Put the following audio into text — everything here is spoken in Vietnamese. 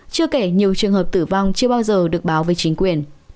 chưa kể nhiều trường hợp tử vong chưa bao giờ được ghi nhận